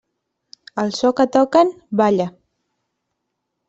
Al so que toquen, balla.